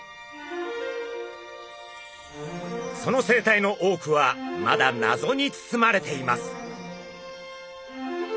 その生態の多くはまだ謎に包まれています。